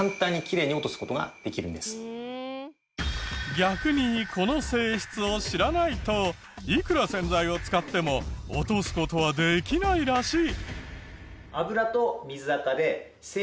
逆にこの性質を知らないといくら洗剤を使っても落とす事はできないらしい。